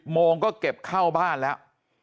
โมงก็เก็บเข้าบ้านแล้ว